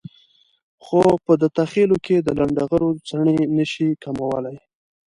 خو په دته خېلو کې د لنډغرو څڼې نشي کمولای.